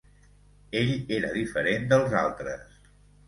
Ell era diferent dels altres